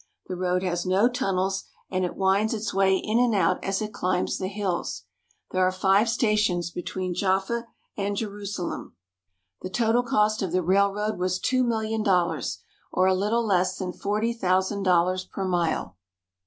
The road has no tunnels, and it winds its way in and out as it climbs the hills. There are five stations between Jaffa and Jerusalem. The total cost of the railroad was two million dollars, or a little less than forty thousand dollars per mile.